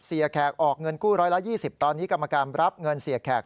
แขกออกเงินกู้๑๒๐ตอนนี้กรรมการรับเงินเสียแขก